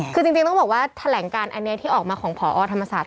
คือจริงต้องบอกว่าแถลงการอันนี้ที่ออกมาของพอธรรมศาสต